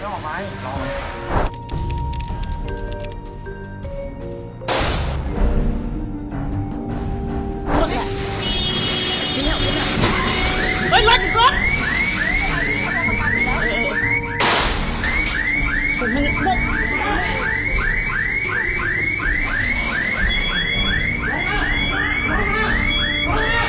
โหแผ่นลูกเข้ามากมั้ย